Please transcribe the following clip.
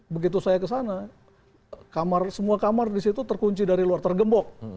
begitu saya ke sana kamar semua kamar di situ terkunci dari luar tergembok